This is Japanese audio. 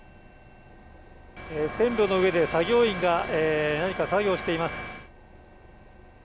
線路の上で作業員が作業しています。